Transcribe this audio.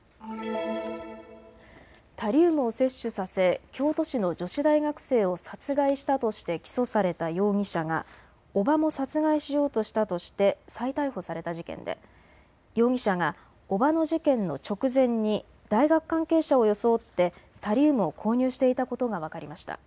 タリウムを摂取させ京都市の女子大学生を殺害したとして起訴された容疑者が叔母も殺害しようとしたとして再逮捕された事件で容疑者が叔母の事件の直前に大学関係者を装ってタリウムを購入していたことが分かりました。